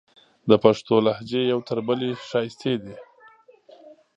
د پښتو لهجې یو تر بلې ښایستې دي.